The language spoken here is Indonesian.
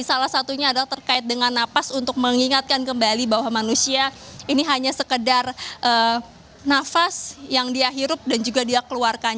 salah satunya adalah terkait dengan nafas untuk mengingatkan kembali bahwa manusia ini hanya sekedar nafas yang dia hirup dan juga dia keluarkan